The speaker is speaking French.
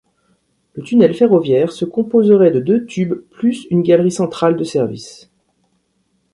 Le tunnel ferroviaire se composerait de deux tubes plus une galerie centrale de service.